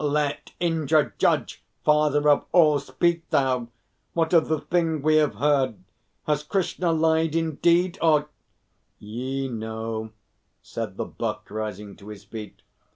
"Let Indra judge. Father of all, speak thou! What of the things we have heard? Has Krishna lied indeed? Or " "Ye know," said the Buck, rising to his feet.